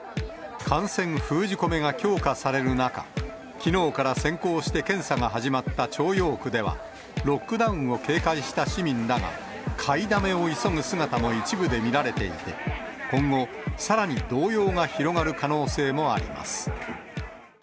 感染封じ込めが強化される中、きのうから先行して検査が始まった朝陽区では、ロックダウンを警戒した市民らが買いだめを急ぐ姿も一部で見られていて、今後、さらに動揺が広がる可能性があります。